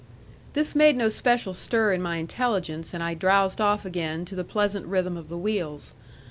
This made no special stir in my intelligence, and I drowsed off again to the pleasant rhythm of the wheels.